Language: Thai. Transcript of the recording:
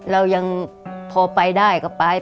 เรายังพอไปได้ก็ไป